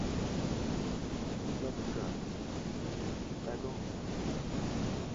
Lovecraft, "Dagón".